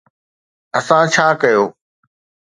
اسان ڇا ڪيو؟